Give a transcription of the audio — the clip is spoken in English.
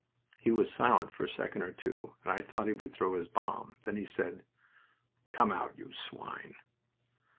"He was silent for a second or two, and I thought he would throw his bomb. Then he said: "'Come out, you swine.'